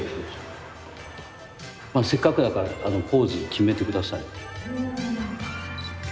せっかくだからポーズを決めてください。